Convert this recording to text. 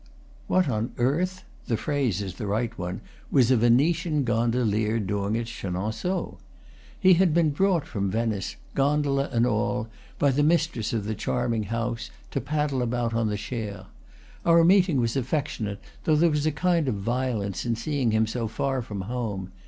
What on earth the phrase is the right one was a Venetian gondolier doing at Chenonceaux? He had been brought from Venice, gondola and all, by the mistress of the charming house, to paddle about on the Cher. Our meeting was affectionate, though there was a kind of violence in seeing him so far from home.